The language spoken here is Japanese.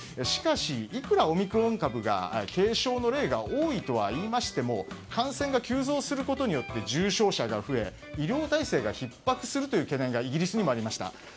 しかし、いくらオミクロン株が軽症の例が多いとはいいましても感染が急増することによって重症者が増え医療体制がひっ迫するという懸念がイギリスにもありました。